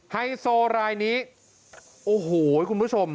ไฮโซรายนี้โอ้โหคุณผู้ชม